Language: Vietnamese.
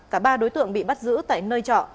cả ba đối tượng bị bắt giữ tại nơi trọ